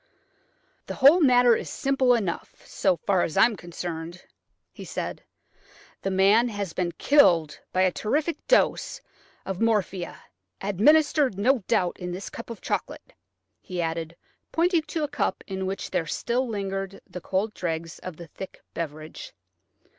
"The whole matter is simple enough, so far as I am concerned," he said. "The man has been killed by a terrific dose of morphia–administered, no doubt, in this cup of chocolate," he added, pointing to a cup in which there still lingered the cold dregs of the thick beverage.